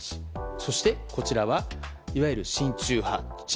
そして、こちらはいわゆる親中派親